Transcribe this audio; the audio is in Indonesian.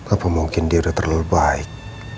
apa mungkin dia udah terlalu baik